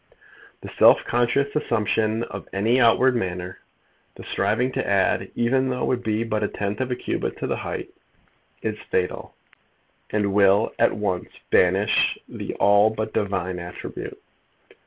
The self conscious assumption of any outward manner, the striving to add, even though it be but a tenth of a cubit to the height, is fatal, and will at once banish the all but divine attribute.